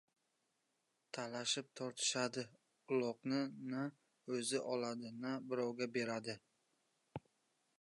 Talashib-tortishadi. Uloqni na o‘zi oladi, na birovga beradi.